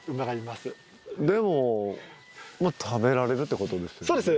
でも食べられるってことですよね。